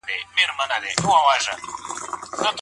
د خاوند د رضا پرته حق ساقطيدلای سي؟